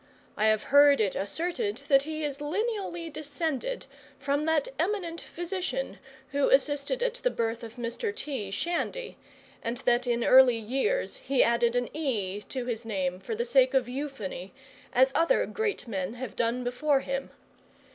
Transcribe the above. I have heard it asserted that he is lineally descended from that eminent physician who assisted at the birth of Mr T. Shandy, and that in early years he added an 'e' to his name, for the sake of euphony, as other great men have done before him.